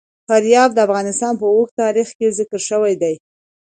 فاریاب د افغانستان په اوږده تاریخ کې ذکر شوی دی.